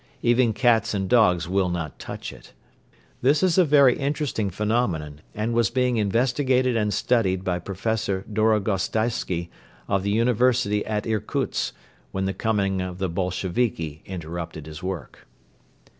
Even cats and dogs will not touch it. This is a very interesting phemonenon and was being investigated and studied by Professor Dorogostaisky of the University at Irkutsk when the coming of the Bolsheviki interrupted his work.